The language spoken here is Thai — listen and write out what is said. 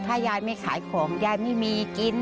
ถ้ายายไม่ขายของยายไม่มีกิน